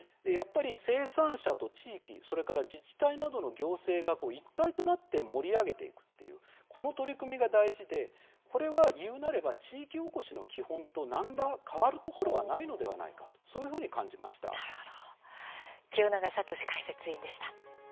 生産者、地域それから自治体など行政が一体となって盛り上げていくこの取り組みが大事でこれは言うなれば地域おこしの基本と何ら変わるところがないのではないか清永聡解説委員でした。